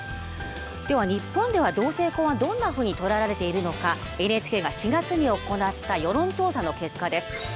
では日本では同性婚はどんなふうに捉えられているのかＮＨＫが４月に行った世論調査の結果です。